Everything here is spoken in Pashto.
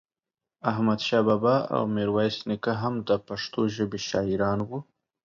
احمد شاه بابا او ميرويس نيکه هم دا پښتو ژبې شاعران وو